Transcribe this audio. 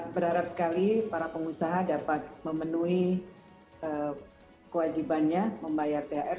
berharap sekali para pengusaha dapat memenuhi kewajibannya membayar thr